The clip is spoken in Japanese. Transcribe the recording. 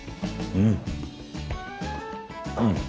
うん。